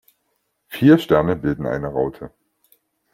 Vier Sterne bilden eine Raute.